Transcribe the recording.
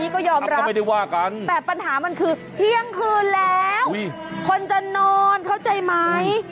ก็ยอมรับแต่ปัญหามันคือเที่ยงคืนแล้วคนจะนอนเข้าใจไหม